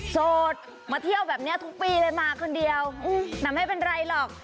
โสดมาเที่ยวแบบนี้ทุกปีเลยมาคนเดียวแต่ไม่เป็นไรหรอก